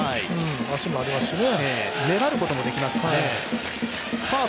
粘りもありますしね。